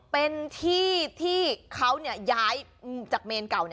เป็นที่ที่เขาย้ายจากเมนเก่า